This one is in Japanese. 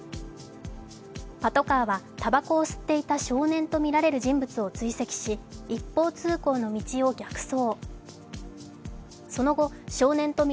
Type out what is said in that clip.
パトカーは、たばこを吸っていた少年とみられる人物を追跡し、一方通行の右を逆走。